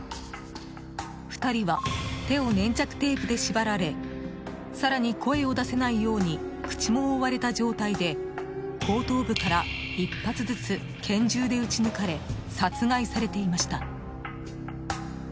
２人は手を粘着テープで縛られ更に声を出せないように口も覆われた状態で、後頭部から１発ずつ拳銃で撃ち抜かれ殺害されていました。